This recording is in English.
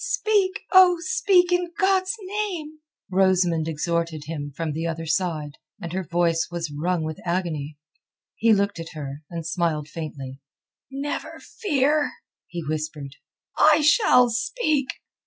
"Speak! Oh, speak, in God's name!" Rosamund exhorted him from the other side, and her voice was wrung with agony. He looked at her, and smiled faintly. "Never fear," he whispered, "I shall speak.